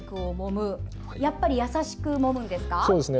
やっぱり優しくもむんですか？